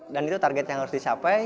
dan itu target yang harus dicapai